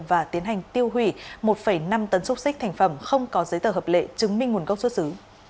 và tiến hành tiêu hủy một năm tấn xúc xích thành phẩm không có giấy tờ hợp lệ chứng minh nguồn gốc xuất xứ